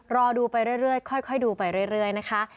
รอดูไปเรื่อยค่อยดูไปเรื่อยนะคะ